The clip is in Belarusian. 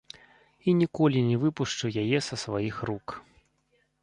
І ніколі не выпушчу яе са сваіх рук.